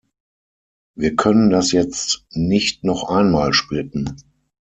Wir können das jetzt nicht noch einmal splitten.